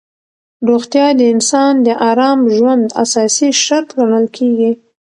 روغتیا د انسان د ارام ژوند اساسي شرط ګڼل کېږي.